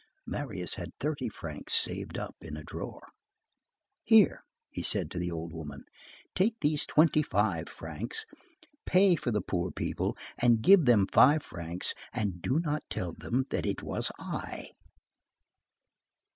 Marius had thirty francs saved up in a drawer. "Here," he said to the old woman, "take these twenty five francs. Pay for the poor people and give them five francs, and do not tell them that it was I."